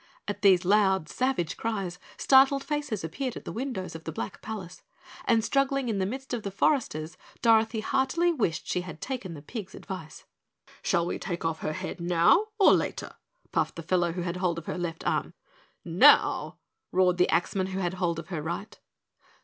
At these loud savage cries, startled faces appeared at the windows of the black palace, and struggling in the midst of the foresters Dorothy heartily wished she had taken the pig's advice. "Shall we take off her head now or later?" puffed the fellow who had hold of her left arm. "Now!" roared the axman who had hold of her right.